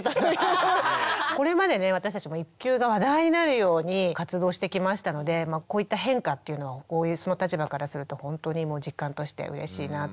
これまでね私たちも育休が話題になるように活動してきましたのでこういった変化っていうのは応援する立場からするとほんとに実感としてうれしいなというふうに思いますし。